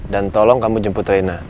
dan tolong kamu jemput rena